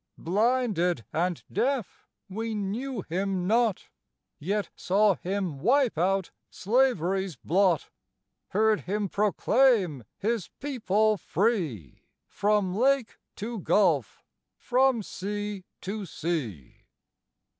Blinded and deaf, we knew him not; Yet saw him wipe out slavery's blot; Heard him proclaim his people free, From lake to gulf, from sea to sea.